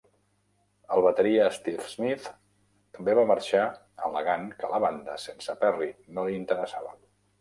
El bateria Steve Smith també va marxar al·legant que la banda sense Perry no li interessava.